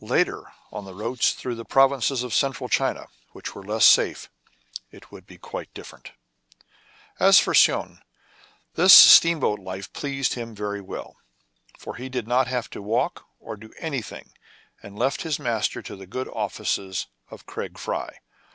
Later, on the routes through the prov inces of Central China, which were less safe, it would be quite different. As for Soun, this steamboat life pleased him very well ; for he did not have to walk or do any thing, and left his master to the good offices of Craig Fry.